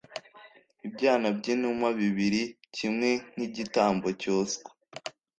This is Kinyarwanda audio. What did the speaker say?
ibyana by'inuma bibiri, kimwe nk'igitambo cyoswa,